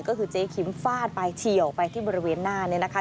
ก็คือเจ๊คิมฟาดไปเฉียวไปที่บริเวณหน้านี้นะคะ